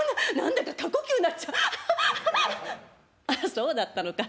「そうだったのか。